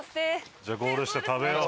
じゃあゴールして食べよう。